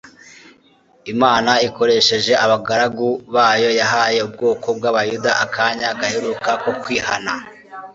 Imana ikoresheje abagaragu bayo yahaye ubwoko bw'abayuda akanya gaheruka ko kwihana.